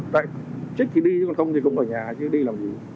tại trích thì đi chứ còn không thì cũng ở nhà chứ đi làm gì